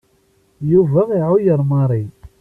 Yuba iεuyer Mary.